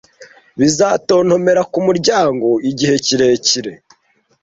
Bizatontomera kumuryango igihe kirekire